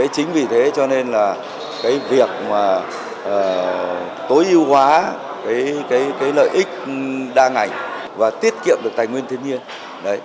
chính vì thế cho nên là cái việc tối ưu hóa cái lợi ích đa ngành và tiết kiệm được tài nguyên thiên nhiên